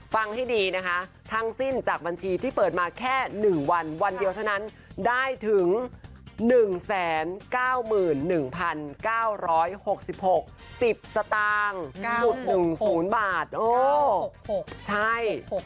ฟังให้ดีนะคะทั้งสิ้นจากบัญชีที่เปิดมาแค่๑วันวันเดียวเท่านั้นได้ถึง๑๙๑๙๖๖๑๐สตางค์จุด๑๐บาทใช่